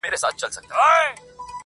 پر تورو رباتونو قافلې دي چي راځي.!